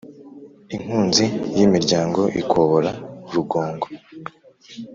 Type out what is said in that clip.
inkunzi y' imiryango ikobora rugongo